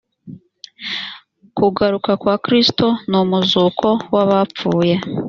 kugaruka kwa kristo n umuzuko w abapfuye